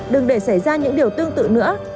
đừng để xảy ra những điều tương tự nữa